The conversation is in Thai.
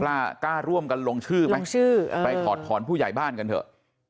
กล้าร่วมกันลงชื่อไหมชื่อไปถอดถอนผู้ใหญ่บ้านกันเถอะ